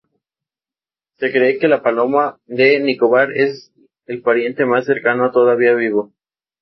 Se cree que la paloma de Nicobar es el pariente más cercano todavía vivo.